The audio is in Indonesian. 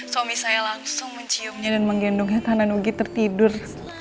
suami saya langsung menciumnya dan menggendongnya tanah nugi tertidur